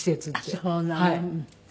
あっそうなの。